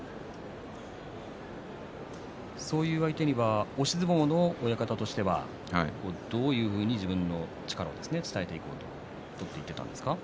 そういう相手には押し相撲の親方としてはどういうふうに自分の力を伝えていこうと取っていったんですか？